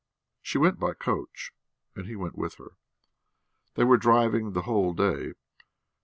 She went by coach and he went with her. They were driving the whole day.